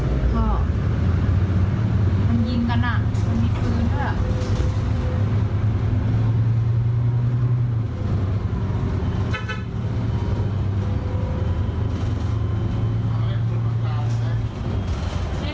มันยิงกันอ่ะมันมีปืนเหรอ